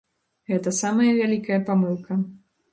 Гэта самая вялікая памылка.